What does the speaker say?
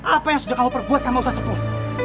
apa yang sudah kamu perbuat sama ustaz sepuluh